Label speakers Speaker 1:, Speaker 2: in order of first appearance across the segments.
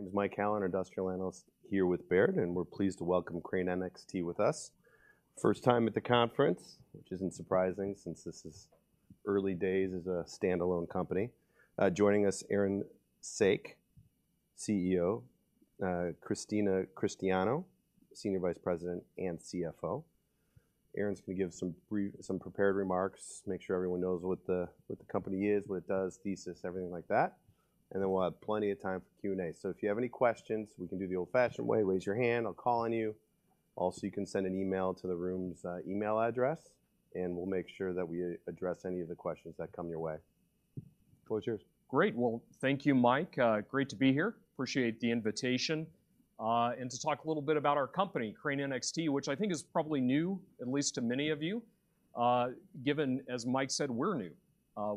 Speaker 1: My name is Mike Allen, industrial analyst here with Baird, and we're pleased to welcome Crane NXT with us. First time at the conference, which isn't surprising since this is early days as a standalone company. Joining us, Aaron Saak, CEO, Christina Cristiano, Senior Vice President and CFO. Aaron's gonna give some brief, some prepared remarks, make sure everyone knows what the, what the company is, what it does, thesis, everything like that, and then we'll have plenty of time for Q&A. So if you have any questions, we can do the old-fashioned way, raise your hand, I'll call on you. Also, you can send an email to the room's email address, and we'll make sure that we address any of the questions that come your way. Floor is yours.
Speaker 2: Great! Well, thank you, Mike. Great to be here. Appreciate the invitation. And to talk a little bit about our company, Crane NXT, which I think is probably new, at least to many of you, given, as Mike said, we're new.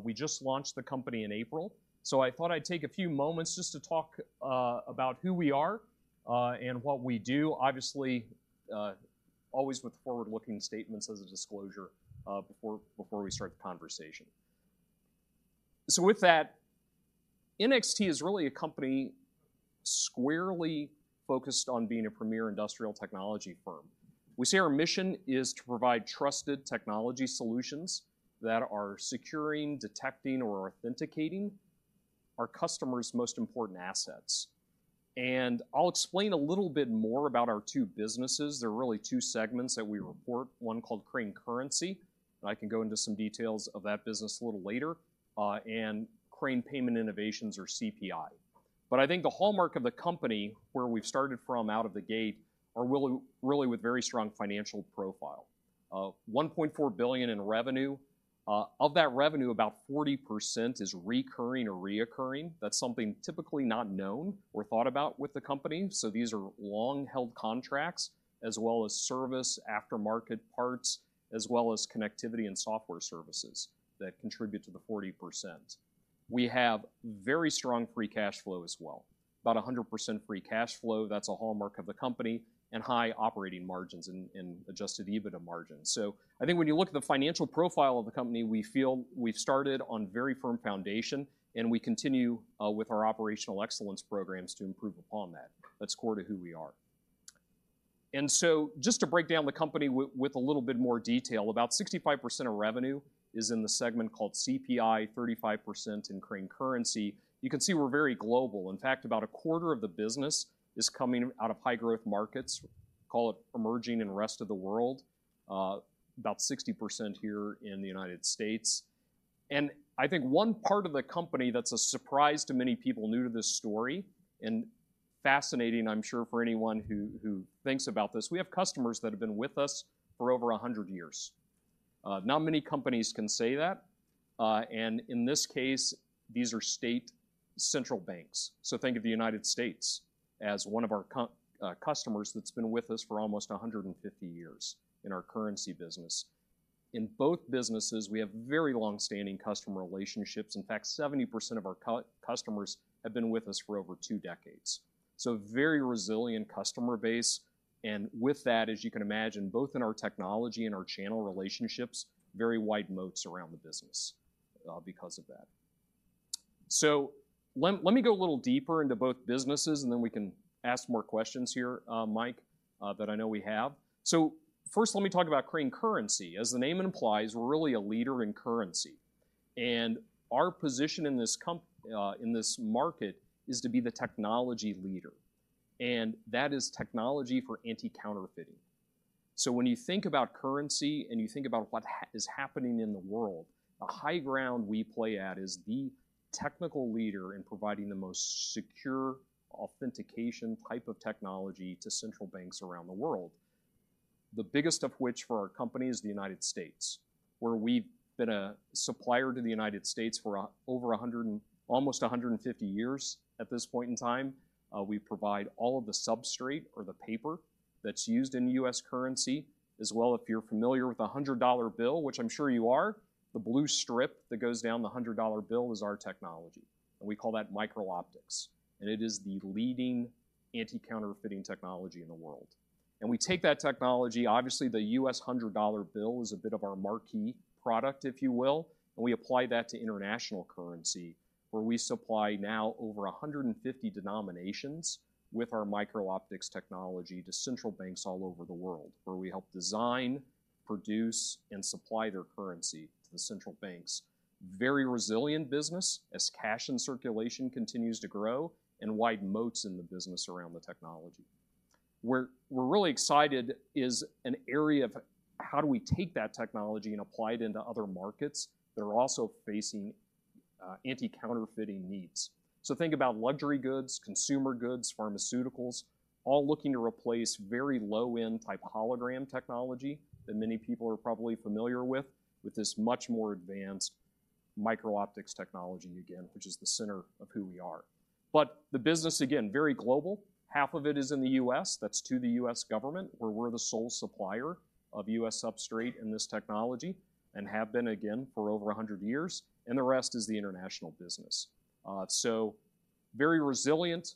Speaker 2: We just launched the company in April, so I thought I'd take a few moments just to talk about who we are, and what we do. Obviously, always with forward-looking statements as a disclosure, before, before we start the conversation. So with that, NXT is really a company squarely focused on being a premier industrial technology firm. We say our mission is to provide trusted technology solutions that are securing, detecting, or authenticating our customers' most important assets. And I'll explain a little bit more about our two businesses. There are really two segments that we report, one called Crane Currency, and I can go into some details of that business a little later, and Crane Payment Innovations, or CPI. But I think the hallmark of the company, where we've started from out of the gate, are really, really with very strong financial profile. $1.4 billion in revenue. Of that revenue, about 40% is recurring or reoccurring. That's something typically not known or thought about with the company. So these are long-held contracts, as well as service, aftermarket parts, as well as connectivity and software services that contribute to the 40%. We have very strong free cash flow as well, about 100% free cash flow, that's a hallmark of the company, and high operating margins and, and Adjusted EBITDA margins. So I think when you look at the financial profile of the company, we feel we've started on very firm foundation, and we continue with our operational excellence programs to improve upon that. That's core to who we are. And so just to break down the company with a little bit more detail, about 65% of revenue is in the segment called CPI, 35% in Crane Currency. You can see we're very global. In fact, about a quarter of the business is coming out of high-growth markets, call it emerging and rest of the world. About 60% here in the United States. And I think one part of the company that's a surprise to many people new to this story, and fascinating, I'm sure, for anyone who thinks about this, we have customers that have been with us for over 100 years. Not many companies can say that. In this case, these are state central banks. So think of the United States as one of our customers that's been with us for almost 150 years in our currency business. In both businesses, we have very long-standing customer relationships. In fact, 70% of our customers have been with us for over two decades. So a very resilient customer base, and with that, as you can imagine, both in our technology and our channel relationships, very wide moats around the business, because of that. Let me go a little deeper into both businesses, and then we can ask more questions here, Mike, that I know we have. So first, let me talk about Crane Currency. As the name implies, we're really a leader in currency, and our position in this market is to be the technology leader, and that is technology for anti-counterfeiting. So when you think about currency, and you think about what is happening in the world, the high ground we play at is the technical leader in providing the most secure authentication type of technology to central banks around the world. The biggest of which for our company is the United States, where we've been a supplier to the United States for over 100 and almost 150 years at this point in time. We provide all of the substrate or the paper that's used in U.S. currency. As well, if you're familiar with the $100 bill, which I'm sure you are, the blue strip that goes down the $100 bill is our technology, and we call that micro-optics, and it is the leading anti-counterfeiting technology in the world. And we take that technology, obviously, the U.S. $100 bill is a bit of our marquee product, if you will, and we apply that to international currency, where we supply now over 150 denominations with our micro-optics technology to central banks all over the world, where we help design, produce, and supply their currency to the central banks. Very resilient business as cash in circulation continues to grow, and wide moats in the business around the technology. Where we're really excited is an area of how do we take that technology and apply it into other markets that are also facing anti-counterfeiting needs? So think about luxury goods, consumer goods, pharmaceuticals, all looking to replace very low-end type hologram technology that many people are probably familiar with, with this much more advanced micro-optics technology, again, which is the center of who we are. But the business, again, very global. Half of it is in the U.S., that's to the U.S. government, where we're the sole supplier of U.S. substrate in this technology and have been again for over 100 years, and the rest is the international business. So very resilient,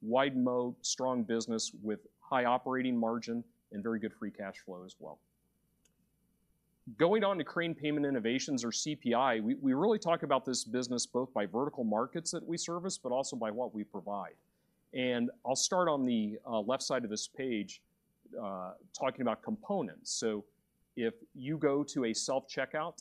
Speaker 2: wide moat, strong business with high operating margin and very good free cash flow as well. Going on to Crane Payment Innovations, or CPI, we, we really talk about this business both by vertical markets that we service, but also by what we provide. And I'll start on the, left side of this page, talking about components. So if you go to a self-checkout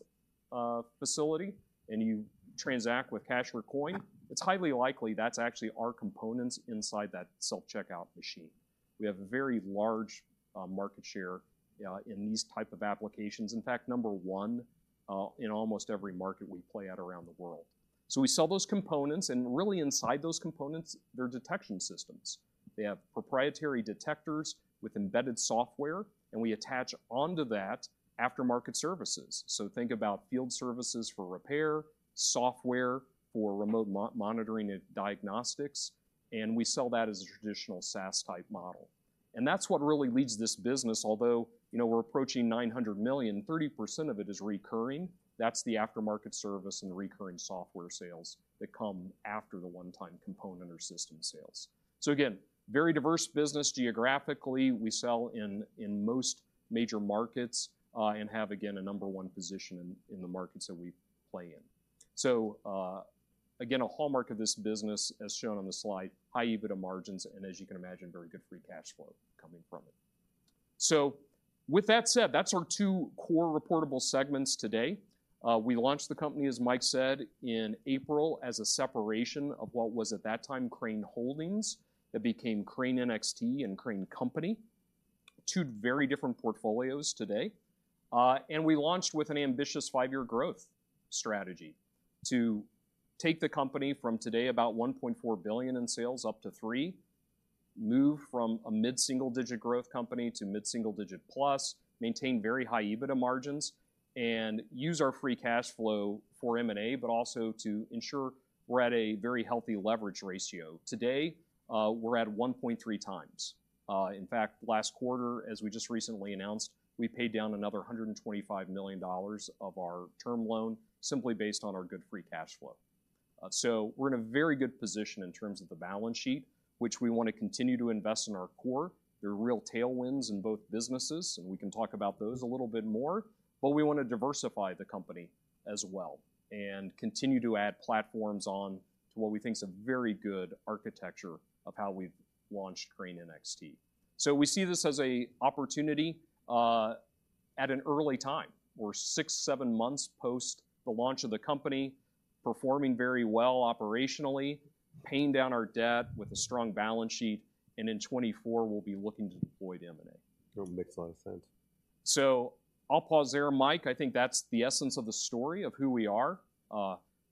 Speaker 2: facility, and you transact with cash or coin, it's highly likely that's actually our components inside that self-checkout machine. We have a very large market share in these type of applications. In fact, No. 1 in almost every market we play at around the world. So we sell those components, and really inside those components, they're detection systems. They have proprietary detectors with embedded software, and we attach onto that aftermarket services. So think about field services for repair, software for remote monitoring and diagnostics, and we sell that as a traditional SaaS-type model. And that's what really leads this business, although, you know, we're approaching $900 million, 30% of it is recurring. That's the aftermarket service and recurring software sales that come after the one-time component or system sales. So again, very diverse business geographically. We sell in most major markets and have, again, a number one position in the markets that we play in. So, again, a hallmark of this business, as shown on the slide, high EBITDA margins, and as you can imagine, very good free cash flow coming from it. So with that said, that's our two core reportable segments today. We launched the company, as Mike said, in April as a separation of what was, at that time, Crane Holdings. That became Crane NXT and Crane Company. Two very different portfolios today. And we launched with an ambitious five-year growth strategy to take the company from today, about $1.4 billion in sales, up to $3 billion, move from a mid-single-digit growth company to mid-single-digit plus, maintain very high EBITDA margins, and use our free cash flow for M&A, but also to ensure we're at a very healthy leverage ratio. Today, we're at 1.3 times. In fact, last quarter, as we just recently announced, we paid down another $125 million of our term loan simply based on our good free cash flow. So we're in a very good position in terms of the balance sheet, which we want to continue to invest in our core. There are real tailwinds in both businesses, and we can talk about those a little bit more, but we want to diversify the company as well, and continue to add platforms on to what we think is a very good architecture of how we've launched Crane NXT. So we see this as an opportunity at an early time. We're six, seven months post the launch of the company, performing very well operationally, paying down our debt with a strong balance sheet, and in 2024, we'll be looking to deploy the M&A.
Speaker 1: It makes a lot of sense.
Speaker 2: I'll pause there, Mike. I think that's the essence of the story of who we are.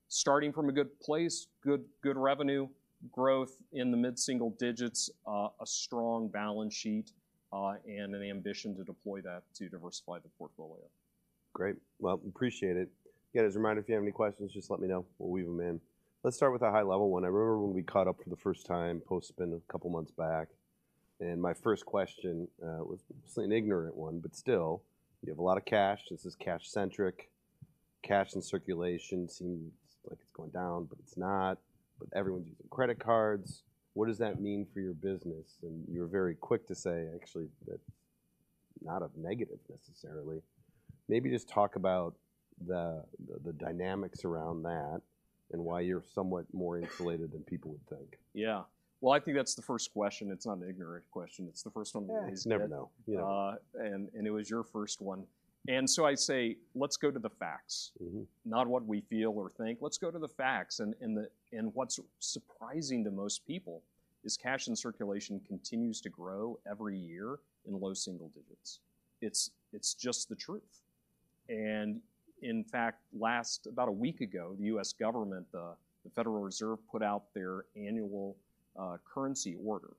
Speaker 2: Starting from a good place, good, good revenue, growth in the mid-single digits, a strong balance sheet, and an ambition to deploy that to diversify the portfolio.
Speaker 1: Great. Well, appreciate it. Again, as a reminder, if you have any questions, just let me know. We'll weave them in. Let's start with a high-level one. I remember when we caught up for the first time, post-spin a couple of months back, and my first question was certainly an ignorant one, but still, you have a lot of cash. This is cash-centric. Cash in circulation seems like it's going down, but it's not. But everyone's using credit cards. What does that mean for your business? And you're very quick to say, actually, that's not a negative necessarily. Maybe just talk about the dynamics around that and why you're somewhat more insulated than people would think.
Speaker 2: Yeah. Well, I think that's the first question. It's not an ignorant question. It's the first one that is-
Speaker 1: Yeah, you never know. Yeah.
Speaker 2: It was your first one. And so I'd say, let's go to the facts.
Speaker 1: Mm-hmm.
Speaker 2: Not what we feel or think. Let's go to the facts, and the and what's surprising to most people is cash in circulation continues to grow every year in low single digits. It's just the truth. And in fact, last about a week ago, the U.S. government, the Federal Reserve, put out their annual currency order,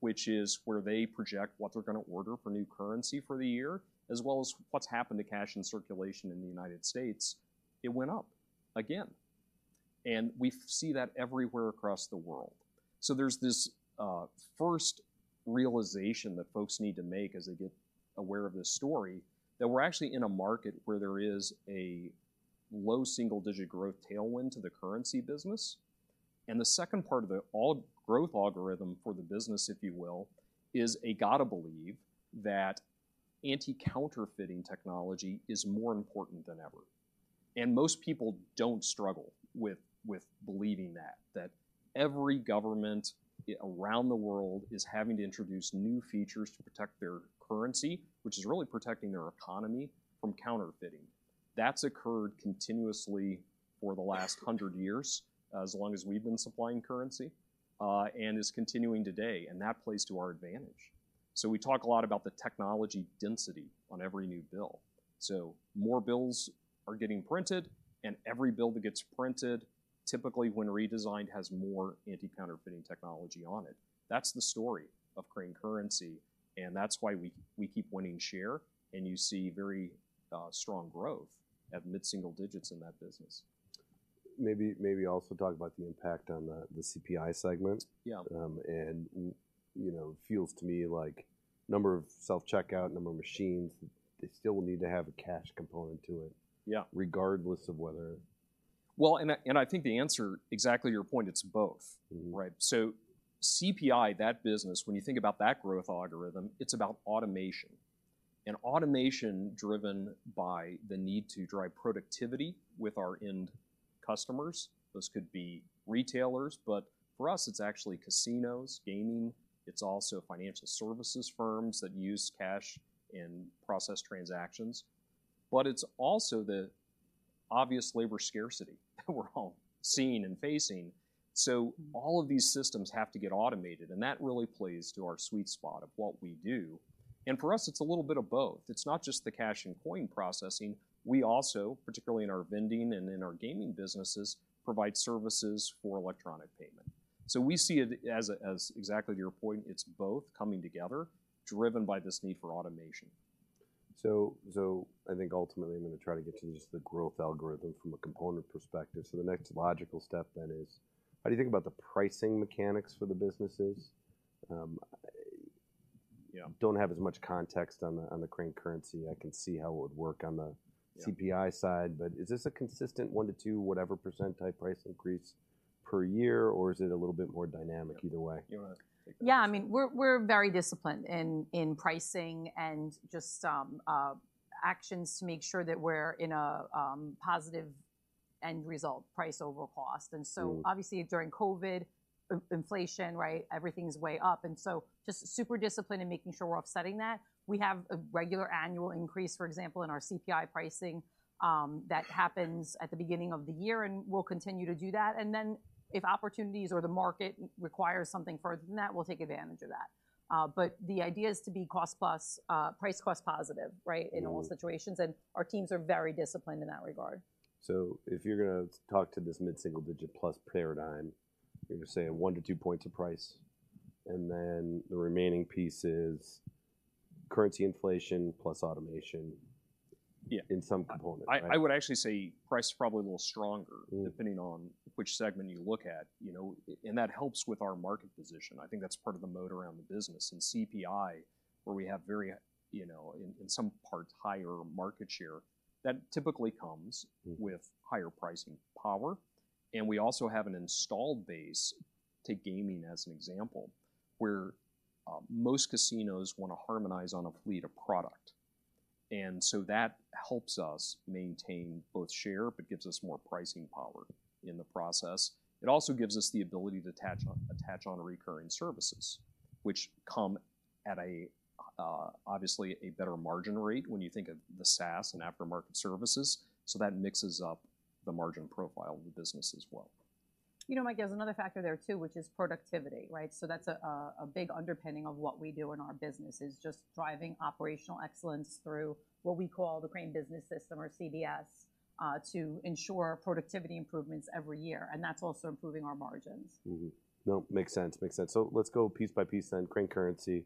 Speaker 2: which is where they project what they're gonna order for new currency for the year, as well as what's happened to cash in circulation in the United States. It went up again, and we've see that everywhere across the world. So there's this first realization that folks need to make as they get aware of this story, that we're actually in a market where there is a low single-digit growth tailwind to the currency business. And the second part of the all growth algorithm for the business, if you will, is [I] gotta believe that anti-counterfeiting technology is more important than ever. Most people don't struggle with believing that every government around the world is having to introduce new features to protect their currency, which is really protecting their economy from counterfeiting. That's occurred continuously for the last 100 years, as long as we've been supplying currency, and is continuing today, and that plays to our advantage. We talk a lot about the technology density on every new bill. More bills are getting printed, and every bill that gets printed, typically when redesigned, has more anti-counterfeiting technology on it. That's the story of Crane Currency, and that's why we keep winning share, and you see very strong growth at mid-single digits in that business.
Speaker 1: Maybe also talk about the impact on the CPI segment.
Speaker 2: Yeah.
Speaker 1: You know, it feels to me like the number of self-checkout machines; they still need to have a cash component to it-
Speaker 2: Yeah...
Speaker 1: regardless of whether-
Speaker 2: Well, I think the answer, exactly your point, it's both.
Speaker 1: Mm-hmm.
Speaker 2: Right? So CPI, that business, when you think about that growth algorithm, it's about automation, and automation driven by the need to drive productivity with our end customers. Those could be retailers, but for us, it's actually casinos, gaming, it's also financial services firms that use cash in process transactions, but it's also the obvious labor scarcity that we're all seeing and facing. So all of these systems have to get automated, and that really plays to our sweet spot of what we do. And for us, it's a little bit of both. It's not just the cash and coin processing. We also, particularly in our vending and in our gaming businesses, provide services for electronic payment. So we see it as a, as exactly to your point, it's both coming together, driven by this need for automation.
Speaker 1: So, so I think ultimately, I'm gonna try to get to just the growth algorithm from a component perspective. So the next logical step then is, how do you think about the pricing mechanics for the businesses?
Speaker 2: Yeah.
Speaker 1: Don't have as much context on the Crane Currency. I can see how it would work on the-
Speaker 2: Yeah
Speaker 1: CPI side, but is this a consistent 1%-2%, whatever type price increase per year, or is it a little bit more dynamic either way?
Speaker 2: You wanna take that?
Speaker 3: Yeah, I mean, we're very disciplined in pricing and just actions to make sure that we're in a positive end result, price over cost.
Speaker 1: Mm.
Speaker 3: And so obviously, during COVID inflation, right, everything's way up, and so just super disciplined in making sure we're offsetting that. We have a regular annual increase, for example, in our CPI pricing, that happens at the beginning of the year, and we'll continue to do that. And then if opportunities or the market requires something further than that, we'll take advantage of that. But the idea is to be cost plus, price cost positive, right?
Speaker 1: Mm.
Speaker 3: In all situations, and our teams are very disciplined in that regard.
Speaker 1: So if you're gonna talk to this mid-single-digit plus paradigm, you're gonna say 1-2 points of price, and then the remaining piece is currency inflation plus automation-
Speaker 2: Yeah...
Speaker 1: in some component, right?
Speaker 2: I would actually say price is probably a little stronger-
Speaker 1: Mm...
Speaker 2: depending on which segment you look at, you know, and that helps with our market position. I think that's part of the moat around the business. In CPI, where we have very, you know, in, in some parts, higher market share, that typically comes-
Speaker 1: Mm...
Speaker 2: with higher pricing power, and we also have an installed base, take gaming as an example, where most casinos wanna harmonize on a fleet of product. And so that helps us maintain both share, but gives us more pricing power in the process. It also gives us the ability to attach on recurring services, which come at a obviously a better margin rate when you think of the SaaS and aftermarket services, so that mixes up the margin profile of the business as well.
Speaker 3: You know, Mike, there's another factor there too, which is productivity, right? So that's a big underpinning of what we do in our business, is just driving operational excellence through what we call the Crane Business System or CBS, to ensure productivity improvements every year, and that's also improving our margins.
Speaker 1: Mm-hmm. No, makes sense. Makes sense. So let's go piece by piece then. Crane Currency, you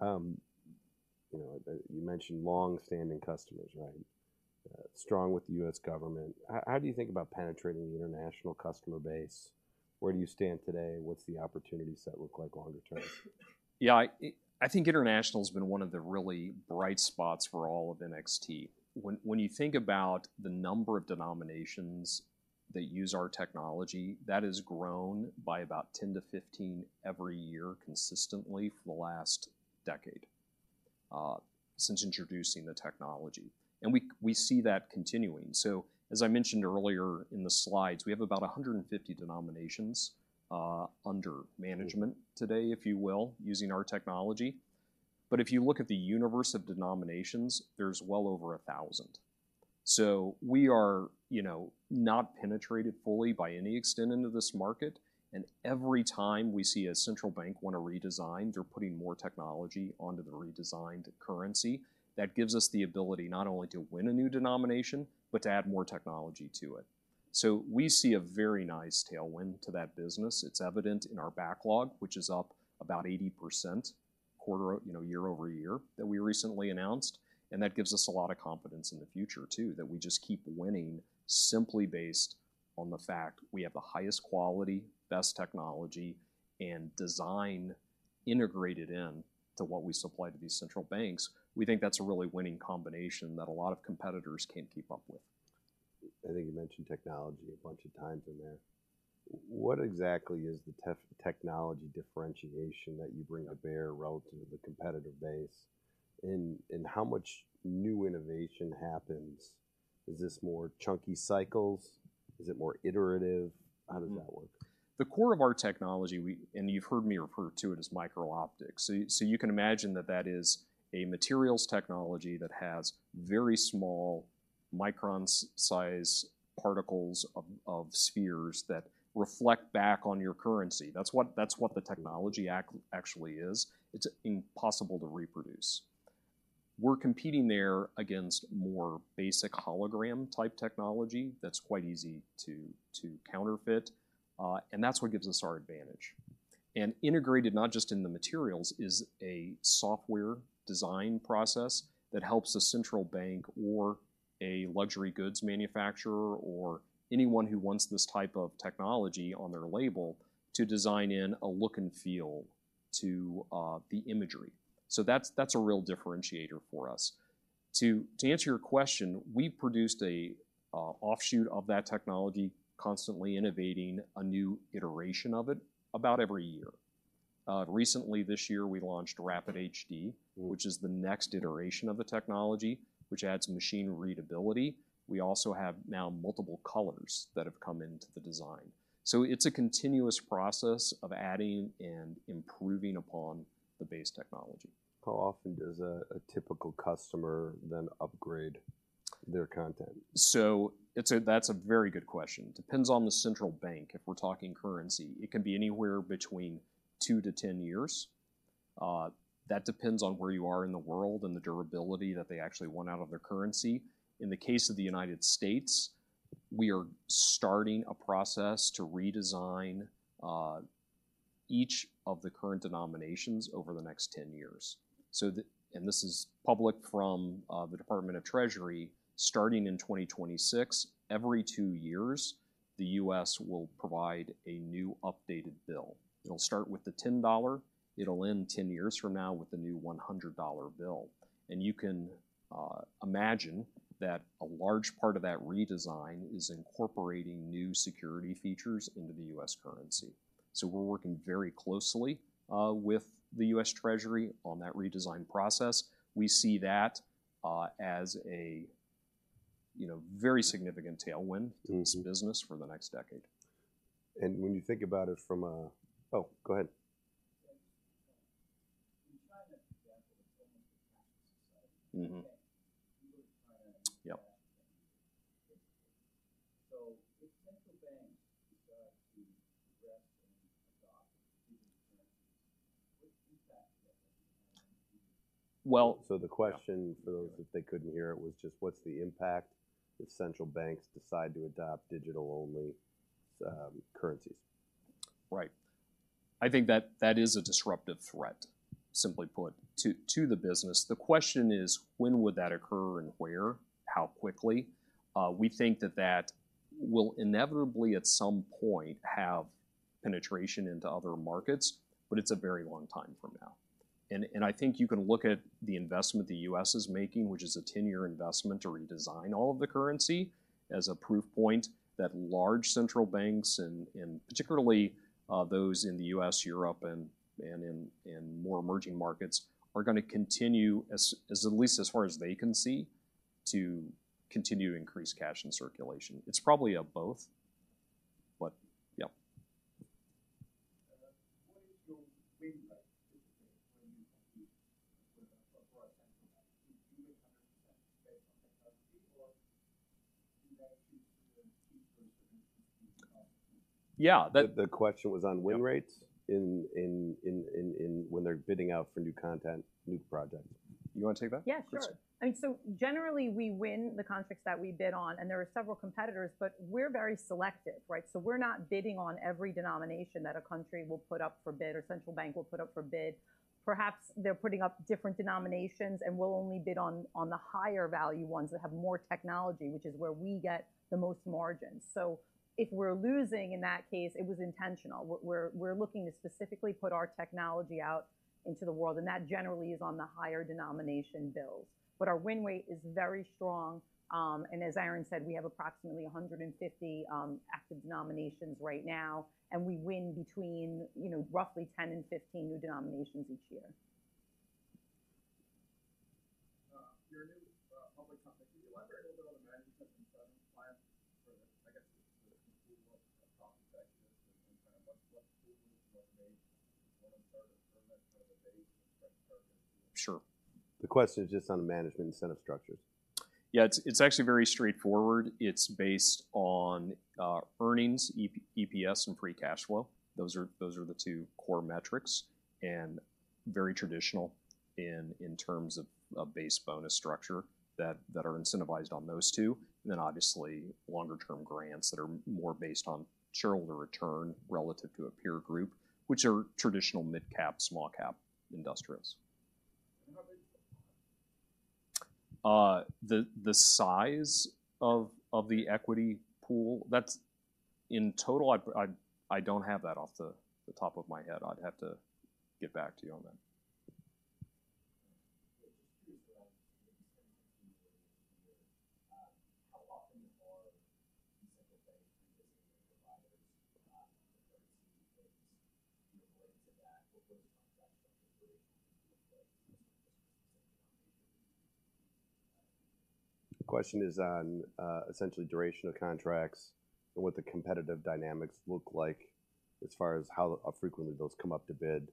Speaker 1: know, you mentioned long-standing customers, right? Strong with the U.S. government. How do you think about penetrating the international customer base? Where do you stand today? What's the opportunity set look like longer term?
Speaker 2: Yeah, I, I think international's been one of the really bright spots for all of NXT. When, when you think about the number of denominations that use our technology, that has grown by about 10-15 every year consistently for the last decade since introducing the technology. And we, we see that continuing. So as I mentioned earlier in the slides, we have about 150 denominations under management today, if you will, using our technology. But if you look at the universe of denominations, there's well over 1,000. So we are, you know, not penetrated fully by any extent into this market, and every time we see a central bank want a redesign, they're putting more technology onto the redesigned currency. That gives us the ability not only to win a new denomination, but to add more technology to it. So we see a very nice tailwind to that business. It's evident in our backlog, which is up about 80% quarter, you know, year-over-year, that we recently announced, and that gives us a lot of confidence in the future, too, that we just keep winning simply based on the fact we have the highest quality, best technology, and design integrated into what we supply to these central banks. We think that's a really winning combination that a lot of competitors can't keep up with.
Speaker 1: I think you mentioned technology a bunch of times in there. What exactly is the technology differentiation that you bring to bear relative to the competitive base, and how much new innovation happens? Is this more chunky cycles? Is it more iterative?
Speaker 2: Mm.
Speaker 1: How does that work?
Speaker 2: The core of our technology. You've heard me refer to it as micro-optics. So you can imagine that that is a materials technology that has very small micron-size particles of spheres that reflect back on your currency. That's what the technology actually is. It's impossible to reproduce. We're competing there against more basic hologram-type technology that's quite easy to counterfeit, and that's what gives us our advantage. And integrated, not just in the materials, is a software design process that helps a central bank or a luxury goods manufacturer or anyone who wants this type of technology on their label, to design in a look and feel to the imagery. So that's a real differentiator for us. To answer your question, we've produced an offshoot of that technology, constantly innovating a new iteration of it about every year. Recently this year, we launched RAPID HD, which is the next iteration of the technology, which adds machine readability. We also have now multiple colors that have come into the design. So it's a continuous process of adding and improving upon the base technology.
Speaker 1: How often does a typical customer then upgrade their content?
Speaker 2: That's a very good question. Depends on the central bank. If we're talking currency, it can be anywhere between 2-10 years. That depends on where you are in the world and the durability that they actually want out of their currency. In the case of the United States, we are starting a process to redesign each of the current denominations over the next 10 years. And this is public from the Department of Treasury, starting in 2026, every two years, the U.S. will provide a new updated bill. It'll start with the $10, it'll end 10 years from now with the new $100 bill. And you can imagine that a large part of that redesign is incorporating new security features into the U.S. currency. So we're working very closely with the U.S. Treasury on that redesign process. We see that as a, you know, very significant tailwind-
Speaker 1: Mm-hmm.
Speaker 2: in this business for the next decade.
Speaker 1: When you think about it from a... Oh, go ahead.
Speaker 4: Thanks. In China, for example, it's almost a cashless society.
Speaker 1: Mm-hmm.
Speaker 4: Okay. People in China-
Speaker 1: Yep.
Speaker 4: If central banks decide to progress and adopt digital currencies, what impact will that have?
Speaker 2: Well-
Speaker 1: So the question for those, if they couldn't hear it, was just what's the impact if central banks decide to adopt digital-only currencies?
Speaker 2: Right. I think that that is a disruptive threat, simply put, to, to the business. The question is, when would that occur and where? How quickly? We think that that will inevitably, at some point, have penetration into other markets, but it's a very long time from now. And, I think you can look at the investment the U.S. is making, which is a 10-year investment to redesign all of the currency, as a proof point that large central banks and, particularly, those in the U.S., Europe, and in more emerging markets, are gonna continue as at least as far as they can see, to continue to increase cash in circulation. It's probably a both, but yeah.
Speaker 4: What is your win rate, typically, when you compete with a project? Do you win 100% based on technology, or do they choose to change those regulations?
Speaker 2: Yeah, that-
Speaker 1: The question was on win rates in when they're bidding out for new content, new projects.
Speaker 2: You want to take that?
Speaker 3: Yeah, sure.
Speaker 2: Please.
Speaker 3: I mean, so generally, we win the contracts that we bid on, and there are several competitors, but we're very selective, right? So we're not bidding on every denomination that a country will put up for bid or central bank will put up for bid. Perhaps they're putting up different denominations, and we'll only bid on the higher value ones that have more technology, which is where we get the most margin. So if we're losing in that case, it was intentional. We're looking to specifically put our technology out into the world, and that generally is on the higher denomination bills. But our win rate is very strong, and as Aaron said, we have approximately 150 active denominations right now, and we win between, you know, roughly 10 and 15 new denominations each year.
Speaker 4: Your new public company, can you elaborate a little bit on the management incentive plan for the, I guess, the profit side and kind of what's the motivation for them to kind of a base?
Speaker 2: Sure.
Speaker 1: The question is just on the management incentive structures.
Speaker 2: Yeah, it's actually very straightforward. It's based on earnings, EPS, and free cash flow. Those are the two core metrics, and very traditional in terms of a base bonus structure that are incentivized on those two. And then obviously, longer-term grants that are more based on shareholder return relative to a peer group, which are traditional mid-cap, small-cap industrials.
Speaker 4: How big is the pool?
Speaker 2: The size of the equity pool, that's... In total, I don't have that off the top of my head. I'd have to get back to you on that.
Speaker 4: Yeah, just curious around the sustainability here. How often are the central banks visiting with providers to see if there's, you know, ways to that, or what is the contract like?
Speaker 1: The question is on essentially duration of contracts and what the competitive dynamics look like as far as how often frequently those come up to bid.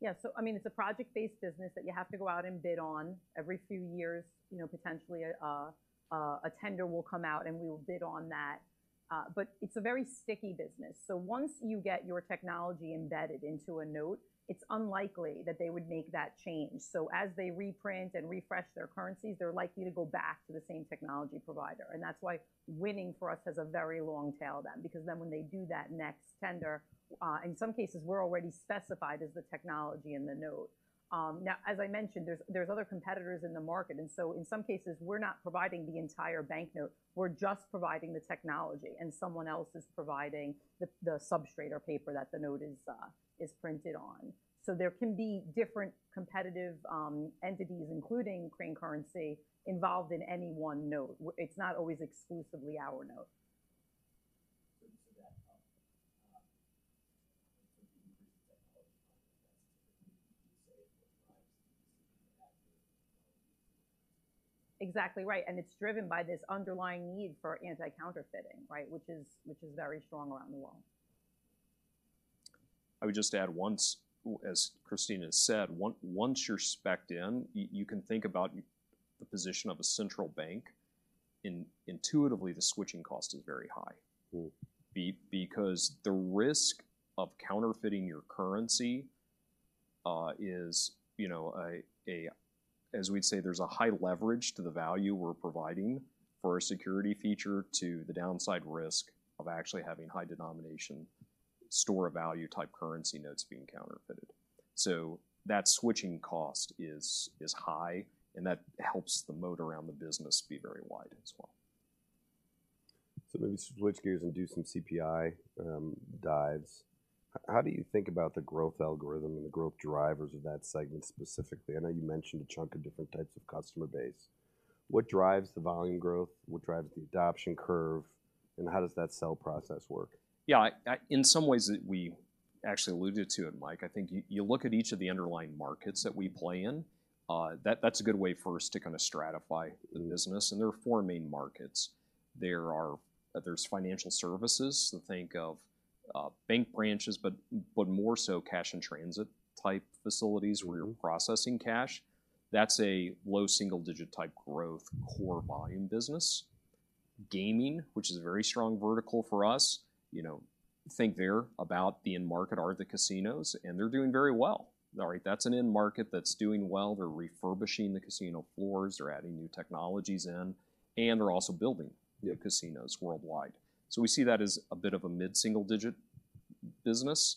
Speaker 3: Yeah. So I mean, it's a project-based business that you have to go out and bid on every few years. You know, potentially, a tender will come out, and we will bid on that. But it's a very sticky business. So once you get your technology embedded into a note, it's unlikely that they would make that change. So as they reprint and refresh their currencies, they're likely to go back to the same technology provider, and that's why winning for us has a very long tail then, because then when they do that next tender, in some cases, we're already specified as the technology in the note. Now, as I mentioned, there's other competitors in the market, and so in some cases, we're not providing the entire banknote, we're just providing the technology, and someone else is providing the substrate or paper that the note is printed on. So there can be different competitive entities, including Crane Currency, involved in any one note. It's not always exclusively our note. Exactly right, and it's driven by this underlying need for anti-counterfeiting, right? Which is, which is very strong around the world.
Speaker 2: I would just add once, as Christina has said, once you're spec'd in, you can think about the position of a central bank. Intuitively, the switching cost is very high.
Speaker 1: Mm.
Speaker 2: Because the risk of counterfeiting your currency is, you know, as we'd say, there's a high leverage to the value we're providing for a security feature to the downside risk of actually having high denomination store of value type currency notes being counterfeited. So that switching cost is high, and that helps the moat around the business be very wide as well.
Speaker 1: Maybe switch gears and do some CPI dives. How do you think about the growth algorithm and the growth drivers of that segment specifically? I know you mentioned a chunk of different types of customer base. What drives the volume growth? What drives the adoption curve, and how does that sell process work?
Speaker 2: Yeah, in some ways that we actually alluded to it, Mike. I think you look at each of the underlying markets that we play in. That's a good way for us to kind of stratify the business.
Speaker 1: Mm.
Speaker 2: There are four main markets. There's financial services, so think of bank branches, but more so cash-in-transit type facilities-
Speaker 1: Mm-hmm...
Speaker 2: where you're processing cash. That's a low single digit type growth, core volume business. Gaming, which is a very strong vertical for us, you know, think there about the end market are the casinos, and they're doing very well. All right, that's an end market that's doing well. They're refurbishing the casino floors, they're adding new technologies in, and they're also building the casinos worldwide. So we see that as a bit of a mid-single digit business.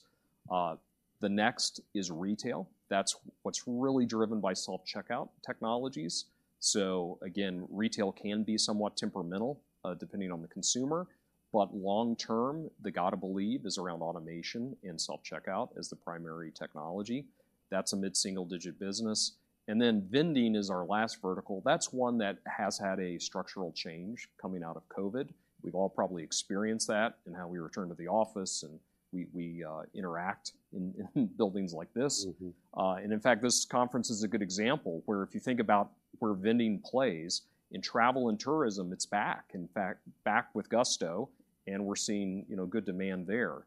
Speaker 2: The next is retail. That's what's really driven by self-checkout technologies. So again, retail can be somewhat temperamental, depending on the consumer, but long term, the gotta believe is around automation and self-checkout as the primary technology. That's a mid-single digit business. And then vending is our last vertical. That's one that has had a structural change coming out of COVID. We've all probably experienced that in how we return to the office, and we interact in buildings like this.
Speaker 1: Mm-hmm.
Speaker 2: And in fact, this conference is a good example, where if you think about where vending plays in travel and tourism, it's back, in fact, back with gusto, and we're seeing, you know, good demand there.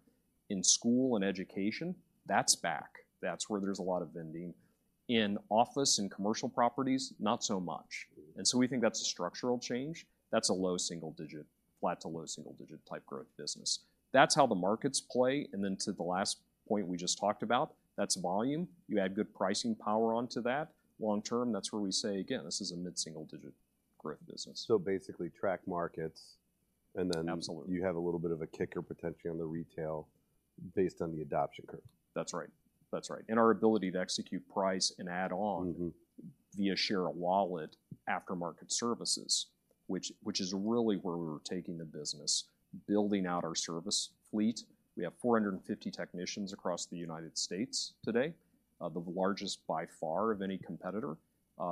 Speaker 2: In school and education, that's back. That's where there's a lot of vending. In office and commercial properties, not so much.
Speaker 1: Mm.
Speaker 2: And so we think that's a structural change. That's a low single digit, flat to low single digit type growth business. That's how the markets play, and then to the last point we just talked about, that's volume. You add good pricing power onto that, long term, that's where we say again, this is a mid-single digit growth business.
Speaker 1: So basically track markets, and then-
Speaker 2: Absolutely...
Speaker 1: you have a little bit of a kicker potentially on the retail based on the adoption curve.
Speaker 2: That's right. That's right. And our ability to execute price and add on-
Speaker 1: Mm-hmm...
Speaker 2: via share of wallet after-market services, which is really where we're taking the business, building out our service fleet. We have 450 technicians across the United States today, the largest by far of any competitor,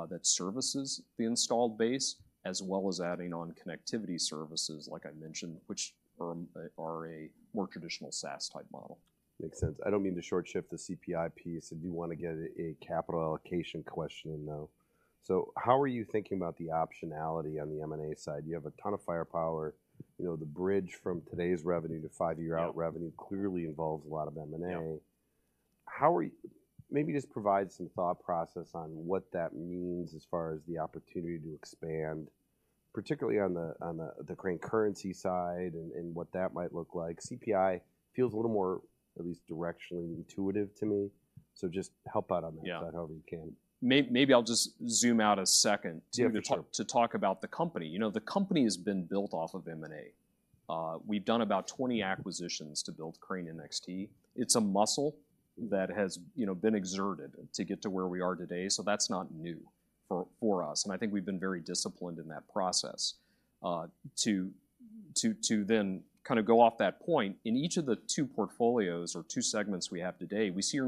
Speaker 2: that services the installed base, as well as adding on connectivity services, like I mentioned, which are a more traditional SaaS type model.
Speaker 1: Makes sense. I don't mean to short shift the CPI piece. I do want to get a capital allocation question in, though. So how are you thinking about the optionality on the M&A side? You have a ton of firepower. You know, the bridge from today's revenue to five-year-
Speaker 2: Yeah...
Speaker 1: out revenue clearly involves a lot of M&A.
Speaker 2: Yeah.
Speaker 1: Maybe just provide some thought process on what that means as far as the opportunity to expand, particularly on the Crane Currency side and what that might look like. CPI feels a little more at least directionally intuitive to me, so just help out on that-
Speaker 2: Yeah...
Speaker 1: however you can.
Speaker 2: Maybe I'll just zoom out a second.
Speaker 1: Yeah, sure...
Speaker 2: to talk about the company. You know, the company has been built off of M&A. We've done about 20 acquisitions to build Crane NXT. It's a muscle that has, you know, been exerted to get to where we are today, so that's not new for us, and I think we've been very disciplined in that process. To then kind of go off that point, in each of the two portfolios or two segments we have today, we see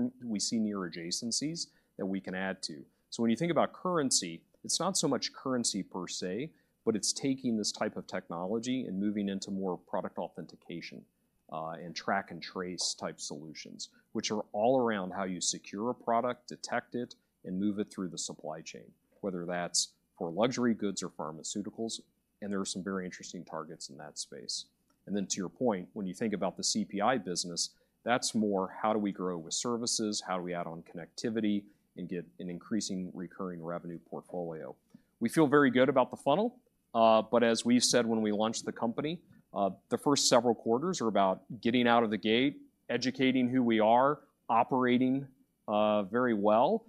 Speaker 2: near adjacencies that we can add to. So when you think about currency, it's not so much currency per se, but it's taking this type of technology and moving into more product authentication, and track and trace type solutions, which are all around how you secure a product, detect it, and move it through the supply chain, whether that's for luxury goods or pharmaceuticals, and there are some very interesting targets in that space. And then to your point, when you think about the CPI business, that's more how do we grow with services, how do we add on connectivity and get an increasing recurring revenue portfolio? We feel very good about the funnel, but as we said when we launched the company, the first several quarters are about getting out of the gate, educating who we are, operating very well,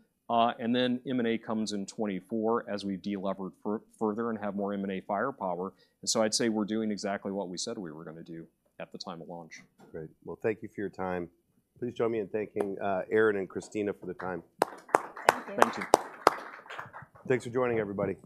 Speaker 2: and then M&A comes in 2024 as we delever further and have more M&A firepower. And so I'd say we're doing exactly what we said we were gonna do at the time of launch.
Speaker 1: Great. Well, thank you for your time. Please join me in thanking Aaron and Christina for the time.
Speaker 3: Thank you.
Speaker 2: Thank you.
Speaker 1: Thanks for joining, everybody.